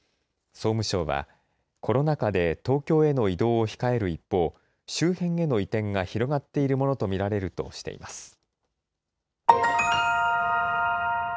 総務省はコロナ禍で東京への移動を控える一方、周辺への移転が広がっているものと見られるとしています。